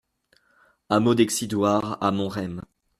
Hameau d'Excidoire à Montrem